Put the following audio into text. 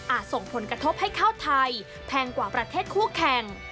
ส่งผลกระทบให้ข้าวไทยแพงกว่าประเทศคู่แข่ง